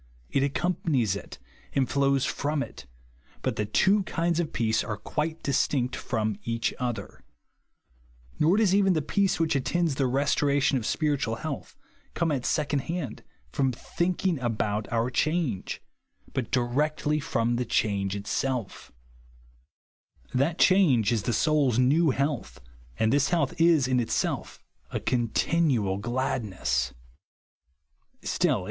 It accom panics it, and flows from it, but the tv/o kinds of peace are quite distinct from each other. Nor does even the peace which at tends the restoration of spiritual health come at second hand, from thinkinrj about OUT change ; but directly from the change itself That change is the soul's new health, and this health is in itself a continual glad nesit.